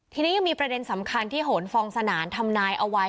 ทีนี้ยังมีประเด็นสำคัญที่โหนฟองสนานทำนายเอาไว้